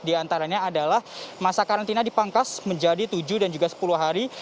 di antaranya adalah masa karantina dipangkas menjadi tujuh dan juga sepuluh hari